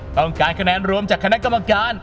ต้องการคะแนนรวมจากคณะกรรมการ